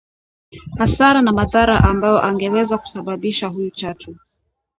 hasara na madhara ambayo angeweza kusababisha huyu chatu